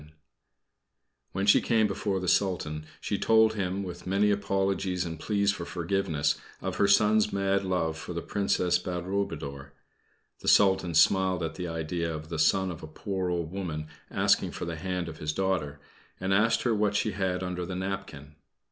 When she came before the Sultan, she told him, with many apologies and pleas for forgiveness, of her son's mad love for the Princess Badroulboudour. The Sultan smiled at the idea of the son of a poor old woman asking for the hand of his daughter, and asked her what she had under the napkin.